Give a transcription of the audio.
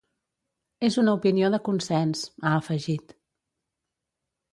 És una opinió de consens, ha afegit.